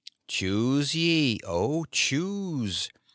Choose ye, O choose.